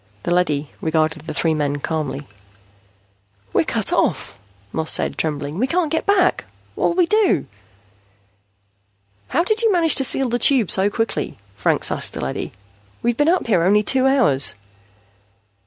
The leady regarded the three men calmly. "We're cut off," Moss said, trembling. "We can't get back. What'll we do?" "How did you manage to seal the Tube so quickly?" Franks asked the leady. "We've been up here only two hours."